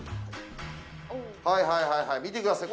はいはいはい見てください